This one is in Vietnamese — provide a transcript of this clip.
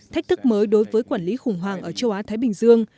thách thức mới đối với quản lý khủng hoảng ở châu á thái bình dương